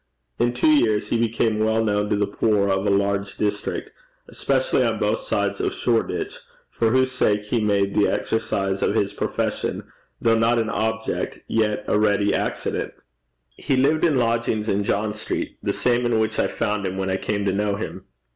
In two years he became well known to the poor of a large district, especially on both sides of Shoreditch, for whose sake he made the exercise of his profession though not an object yet a ready accident. He lived in lodgings in John Street the same in which I found him when I came to know him.